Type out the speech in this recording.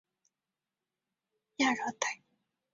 本鱼分布各大洋亚热带海域。